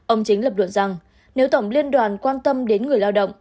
ông chính lập luận rằng nếu tổng liên đoàn quan tâm đến người lao động